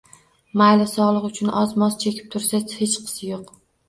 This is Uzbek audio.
Mayli, sogʻlik uchun oz-moz chekib tursa hechqisi yoʻq.